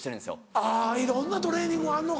あぁいろんなトレーニングあんのか。